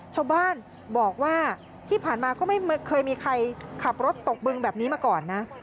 ชาวบ้านบอกว่าที่ผ่านมาก็ไม่เคยมีใครขับรถตกบึงแบบนี้มาก่อนนะ